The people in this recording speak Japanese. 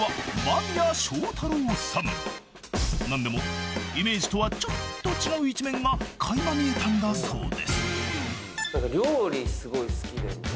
［何でもイメージとはちょっと違う一面が垣間見えたんだそうです］とか言ってて。